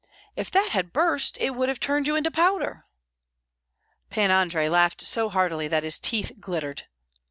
If that had burst, it would have turned you into powder!" Pan Andrei laughed so heartily that his teeth glittered.